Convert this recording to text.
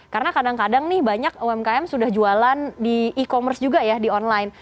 karena kadang kadang nih banyak umkm sudah jualan di e commerce juga ya di online